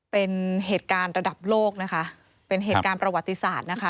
เป็นเหตุการณ์ระดับโลกนะคะเป็นเหตุการณ์ประวัติศาสตร์นะคะ